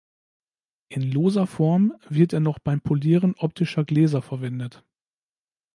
In loser Form wird er noch beim Polieren optischer Gläser verwendet.